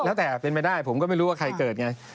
แล้วแต่เป็นไปได้ผมก็ไม่รู้ว่าใครเกิดไง